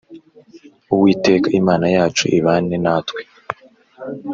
Uwiteka imana yacu ibane natwe